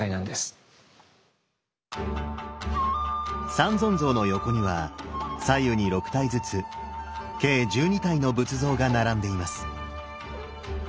三尊像の横には左右に６体ずつ計１２体の仏像が並んでいます。